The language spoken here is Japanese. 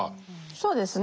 そうですね。